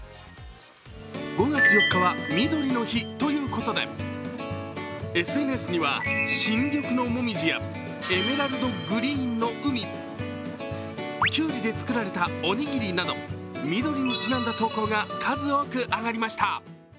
５月４日はみどりの日ということでＳＮＳには新緑のもみじやエメラルドグリーンの海、きゅうりで作られたおにぎりなどみどりにちなんだ投稿が数多く上がりました。